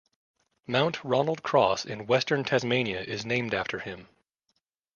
Mount Ronald Cross in western Tasmania is named after him.